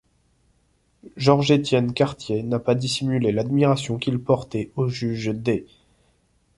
Georges-Étienne Cartier n'a pas dissimulé l'admiration qu'il portait au juge Day.